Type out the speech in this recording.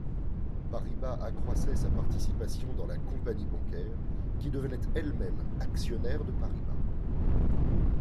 Paribas accroissait sa participation dans la Compagnie Bancaire qui devenait elle-même actionnaire de Paribas.